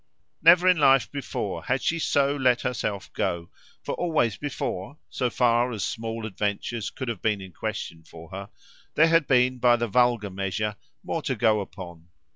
Never in life before had she so let herself go; for always before so far as small adventures could have been in question for her there had been, by the vulgar measure, more to go upon.